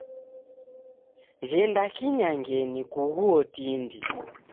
Ghenda kinyangenyi kughuo tindi.